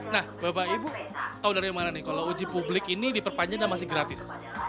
nah bapak ibu tahu dari mana nih kalau uji publik ini diperpanjang dan masih gratis